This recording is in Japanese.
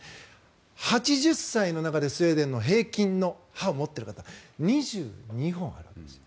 ８０歳の中でスウェーデンの平均の歯を持っている方２２本あるんですよ。